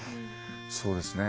そうですね。